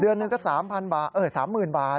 เดือนหนึ่งก็๓๐๐๐บาทเออ๓๐๐๐๐บาท